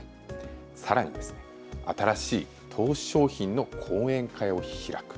さらに新しい投資商品の講演会を開く。